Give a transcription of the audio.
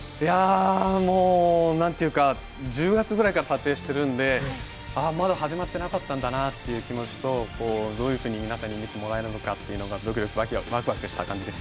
もう１０月ぐらいから撮影しているんでまだ始まってなかったんだなという気持ちとどういうふうに皆さんに見てもらえるのかというのがドキドキワクワクした感じです。